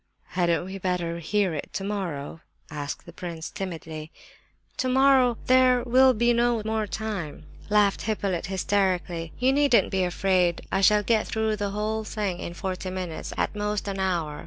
"Hadn't we better hear it tomorrow?" asked the prince timidly. "Tomorrow 'there will be no more time!'" laughed Hippolyte, hysterically. "You needn't be afraid; I shall get through the whole thing in forty minutes, at most an hour!